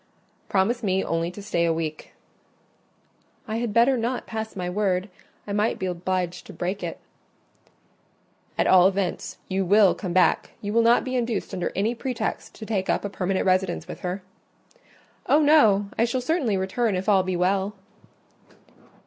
"Promise me only to stay a week—" "I had better not pass my word: I might be obliged to break it." "At all events you will come back: you will not be induced under any pretext to take up a permanent residence with her?" "Oh, no! I shall certainly return if all be well."